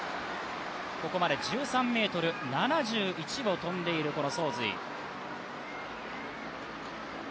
ここまで１３ｍ７１を跳んでいるこの曾蕊。